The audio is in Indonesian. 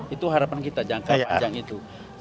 itu harapan kita jangka panjang itu